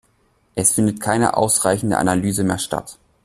Es findet keine ausreichende Analyse mehr statt.